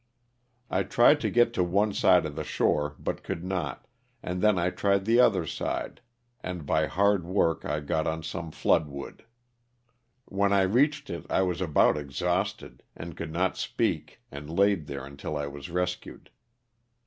I tried to get to one side of the shore, but could not, then I tried the other side, and by hard work I got on some flood wood. 38 LOSS OF THE SULTANA. When I reached it I was about exhausted and could not speak and laid there until I was rescued.